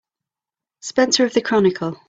Spencer of the Chronicle.